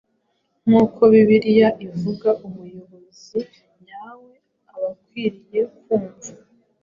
Nk’uko Bibiliya ivuga, umuyobozi nyawe aba akwiriye kumva